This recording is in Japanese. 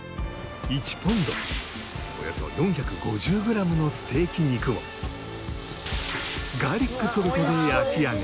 １ポンドおよそ４５０グラムのステーキ肉をガーリックソルトで焼き上げ。